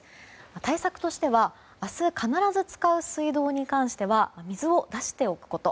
対策としては明日、必ず使う水道に関しては水を出しておくこと。